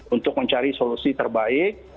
untuk mencari solusi terbaik